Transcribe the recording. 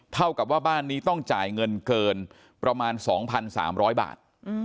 เท่ากับว่าบ้านนี้ต้องจ่ายเงินเกินประมาณ๒๓๐๐บาท